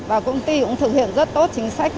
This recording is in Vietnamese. và công ty cũng thực hiện rất tốt chính sách